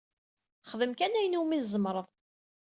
Xdem kan ayen iwumi tzemreḍ.